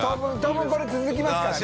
麴これ続きますからね。